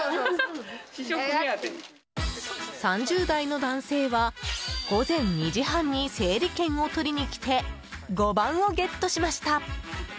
３０代の男性は午前２時半に整理券を取りに来て５番をゲットしました。